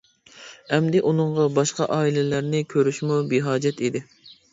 ئەمدى ئۇنىڭغا باشقا ئائىلىلەرنى كۆرۈشمۇ بىھاجەت ئىدى.